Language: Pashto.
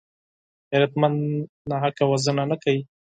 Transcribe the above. غیرتمند ناحقه وژنه نه کوي